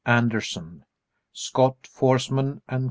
Anderson. _Scott, Foresman & Co.